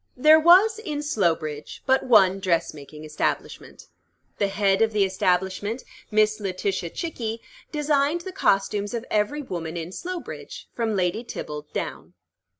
There was in Slowbridge but one dressmaking establishment. The head of the establishment Miss Letitia Chickie designed the costumes of every woman in Slowbridge, from Lady Theobald down.